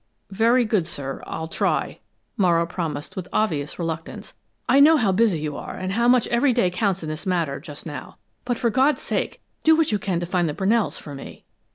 "Very good, sir, I'll try," Morrow promised with obvious reluctance. "I know how busy you are and how much every day counts in this matter just now; but for God's sake, do what you can to find the Brunells for me!"